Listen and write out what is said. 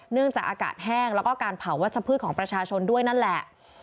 เนื่องจากอากาศแห้งแล้วก็การเผาวัชพืชของประชาชนด้วยนั่นแหละ